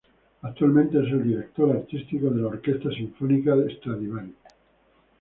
Actualmente es el director artístico de la Orquesta Sinfónica Stradivari.